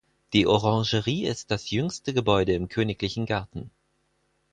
Die Orangerie ist das jüngste Gebäude im Königlichen Garten.